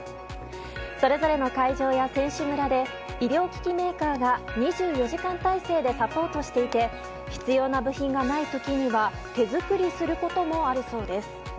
それぞれの会場や選手村で医療機器メーカーが２４時間態勢でサポートしていて必要な部品がない時には手作りすることもあるそうです。